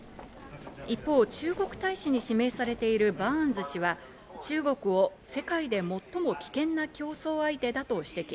一方、中国大使に指名されているバーンズ氏は、中国を世界で最も危険な競争相手だと指摘。